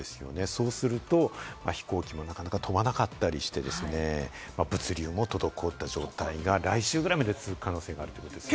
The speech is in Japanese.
そうすると飛行機もなかなか飛ばなかったりして、物流も滞った状態が来週ぐらいまで続く可能性があるんですね。